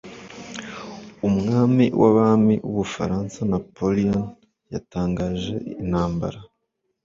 umwami w'abami w'ubufaransa napoleon yatangaje intambara